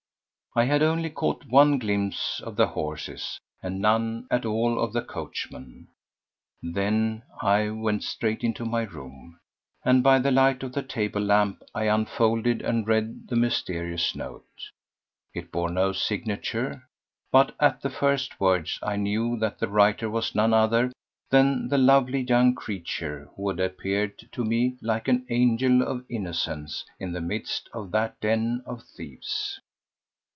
I had only caught one glimpse of the horses, and none at all of the coachman. Then I went straight into my room, and by the light of the table lamp I unfolded and read the mysterious note. It bore no signature, but at the first words I knew that the writer was none other than the lovely young creature who had appeared to me like an angel of innocence in the midst of that den of thieves.